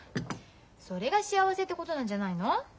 それが幸せってことなんじゃないの？